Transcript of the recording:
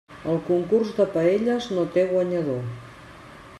El concurs de paelles no té guanyador.